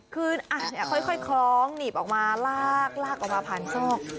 คือค่อยคล้องหนีบออกมาลากออกมาผ่านซอก